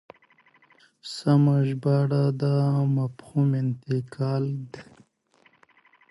سمه ژباړه د مفهوم انتقال دی.